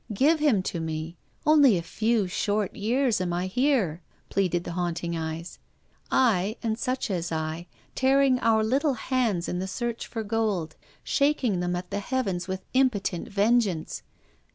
.. Give him to me! Only a few short years am I here," pleaded the haunting eyes: "I and such as I, tearing our little hands in search of gold, shaking them at the heavens with impotent vengeance.